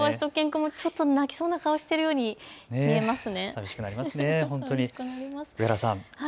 きょうはしゅと犬くんも泣きそうな顔をしているように見えますね。